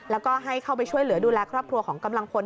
แล้วก็ให้เข้าไปช่วยเหลือดูแลครอบครัวของกำลังพล